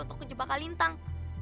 untuk ke jebak kalintang